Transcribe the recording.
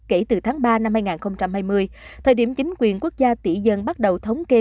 kể từ tháng ba năm hai nghìn hai mươi thời điểm chính quyền quốc gia tỷ dân bắt đầu thống kê